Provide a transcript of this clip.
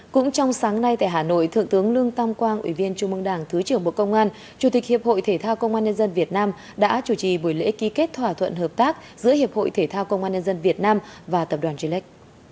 cũng trong sáng nay tại hà nội thượng tướng lương tam quang ủy viên trung mương đảng thứ trưởng bộ công an chủ tịch hiệp hội thể thao công an nhân dân việt nam đã chủ trì buổi lễ ký kết thỏa thuận hợp tác giữa hiệp hội thể thao công an nhân dân việt nam và tập đoàn g lex